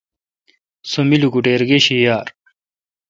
سو می لوکوٹییر گش یار۔